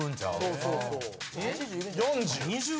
そうそうそう。